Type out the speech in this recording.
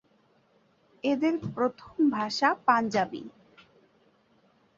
এঁদের প্রথম ভাষা পাঞ্জাবি।